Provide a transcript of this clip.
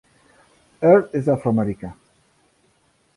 Earle és afroamericà.